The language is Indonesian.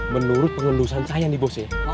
menurut pengendusan saya nih bos ya